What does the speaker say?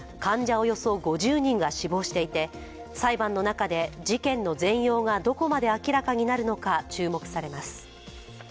およそ５０人が死亡していて、裁判の中で事件の全容がどこまで明らかになるのか注目されます。